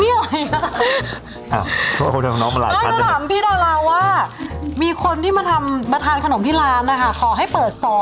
เดี๋ยวเรามิดอ่าวว่ามีคนที่มาทำมาทานขนมที่ร้านนะคะขอให้เปิดสอน